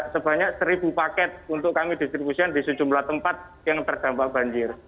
sebanyak seribu paket untuk kami distribusikan di sejumlah tempat yang terdampak banjir